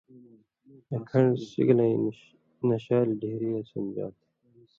آں کھن٘ڑہ سِگلَیں نشالیۡ ڈھیریہ سن٘دژا تھہ۔